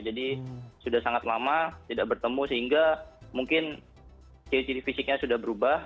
jadi sudah sangat lama tidak bertemu sehingga mungkin ciri ciri fisiknya sudah berubah